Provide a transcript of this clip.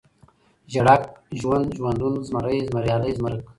ژړک ، ژوند ، ژوندون ، زمری ، زمريالی ، زمرک